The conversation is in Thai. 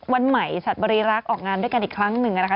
วันใหม่สัตว์บริรักษ์ออกงานด้วยกันอีกครั้งหนึ่งนะคะ